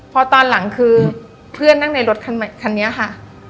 พอตอนหลังคือเพื่อนนั่งในรถคันนี้ค่ะ